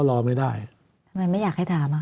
ทำไมไม่อยากให้ถามค่ะ